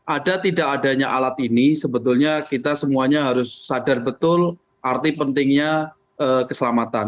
ada tidak adanya alat ini sebetulnya kita semuanya harus sadar betul arti pentingnya keselamatan